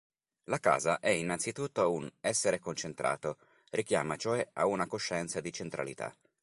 La casa è innanzitutto un "essere concentrato", richiama, cioè, a una coscienza di centralità.